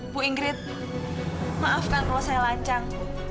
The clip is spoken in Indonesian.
bu ingrid maafkan kalau saya lancang